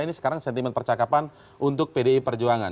ini sekarang sentimen percakapan untuk pdi perjuangan